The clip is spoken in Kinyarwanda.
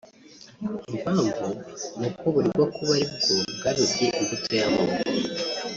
Impamvu ni uko buregwa kuba ari bwo bwabibye imbuto y’amoko